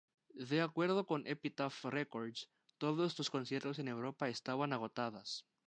De acuerdo con Epitaph Records todos los conciertos en Europa estaban agotadas.